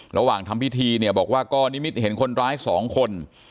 ระหว่างทำพิธีเนี่ยบอกว่าก็นิมิตเห็นคนร้าย๒คน